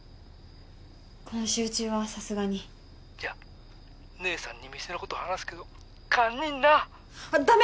今週中はさすがに☎じゃあ☎姉さんに店のこと話すけど堪忍なあっダメ！